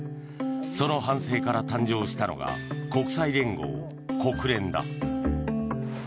その反省から誕生したのが国際連合・国連だ。